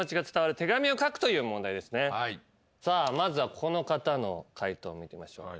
さあまずはこの方の解答を見てみましょう。